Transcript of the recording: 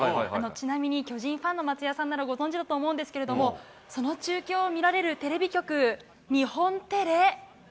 ちなみに、巨人ファンの松也さんならご存じだと思うんですけれども、その中継を見られるテレビ局、日本テレ。